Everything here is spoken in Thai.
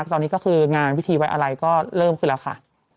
ตอนนี้ก็คืองานพิธีไว้อะไรก็เริ่มขึ้นแล้วค่ะ